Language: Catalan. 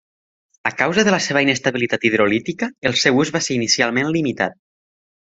A causa de la seva inestabilitat hidrolítica, el seu ús va ser inicialment limitat.